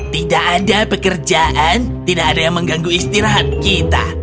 tidak ada pekerjaan tidak ada yang mengganggu istirahat kita